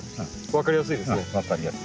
分かりやすいですね。